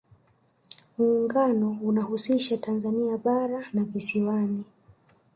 muungano unahusisha tanzania bara na visiwani